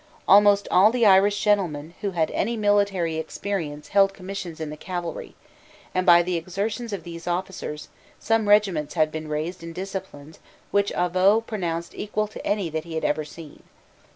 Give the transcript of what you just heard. Almost all the Irish gentlemen who had any military experience held commissions in the cavalry; and, by the exertions of these officers, some regiments had been raised and disciplined which Avaux pronounced equal to any that he had ever seen.